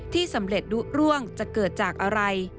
สำเร็จดุร่วงจะเกิดจากอะไร